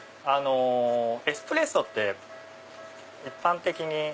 エスプレッソって一般的に。